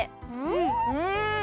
うん！